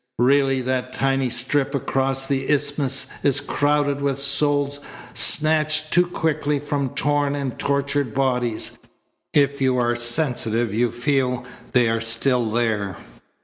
Really that tiny strip across the isthmus is crowded with souls snatched too quickly from torn and tortured bodies. If you are sensitive you feel they are still there."